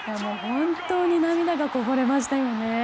本当に涙がこぼれましたよね。